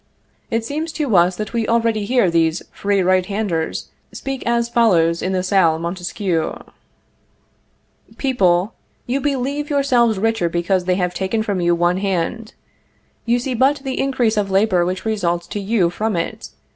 It seems to us that we already hear these free right handers speak as follows in the Salle Montesquieu: "People, you believe yourselves richer because they have taken from you one hand; you see but the increase of labor which results to you from it.